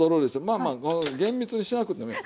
まあまあ厳密にしなくてもいい。